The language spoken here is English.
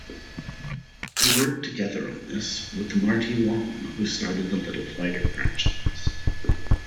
He worked together on this with Marti Wong who started the Little Fighter franchise.